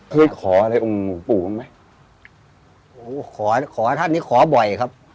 เคยขออะไรองค์หลวงปู่บ้างไหมโอ้ขอขอท่านนี้ขอบ่อยครับ